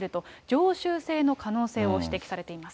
常習性の可能性を指摘されています。